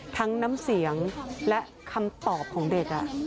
ทั้งน้ำเสียงและคำตอบของเด็ก